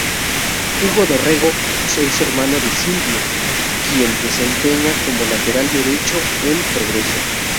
Hugo Dorrego es hermano de Silvio, quien se desempeña como lateral derecho en Progreso.